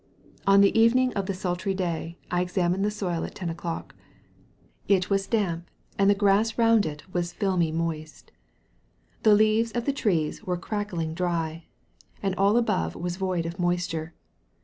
On the evening of the sultry day I examined the soil at 10 o'clock. It was damp, and the grass round it was filmy moist. The leaves of the trees were crackling dry, and all above was void of moisture.